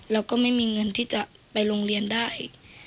เราก็ไม่มีเงินที่จะไปโรงเรียนได้